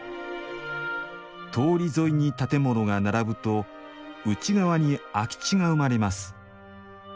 通り沿いに建物が並ぶと内側に空き地が生まれます。